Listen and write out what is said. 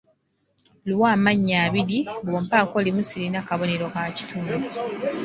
Luwe amannya abiri bw'ompaako limu sirina kabonero ka kitundu.